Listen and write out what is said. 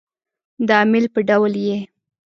د امیل په ډول يې